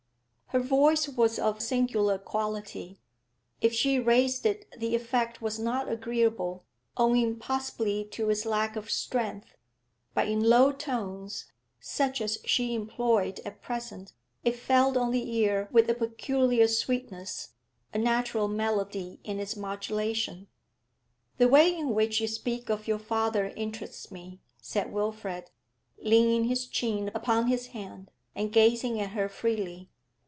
Her voice was of singular quality; if she raised it the effect was not agreeable, owing possibly to its lack of strength, but in low tones, such as she employed at present, it fell on the ear with a peculiar sweetness, a natural melody in its modulation. 'The way in which you speak of your father interests me,' said Wilfrid, leaning his chin upon his hand, and gazing at her freely.